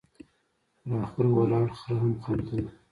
، پر اخوره ولاړ خره هم خندل،